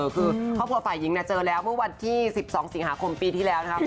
คือครอบครัวฝ่ายหญิงเจอแล้วเมื่อวันที่๑๒สิงหาคมปีที่แล้วนะครับ